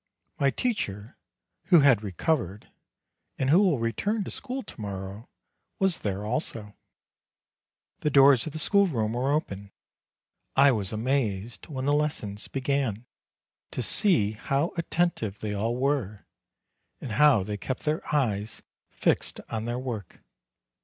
My teacher, who had recovered, and who will return to school to morrow, was there also. The doors of the school room were open. I was amazed when the lessons be gan, to see how attentive they all were, and how they kept their eyes fixed on their work.